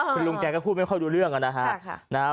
คุณลุงแกก็พูดไม่ค่อยรู้เรื่องนะฮะ